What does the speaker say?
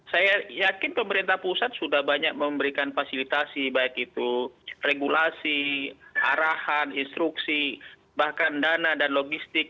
saya yakin pemerintah pusat sudah banyak memberikan fasilitasi baik itu regulasi arahan instruksi bahkan dana dan logistik